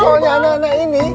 soalnya anak anak ini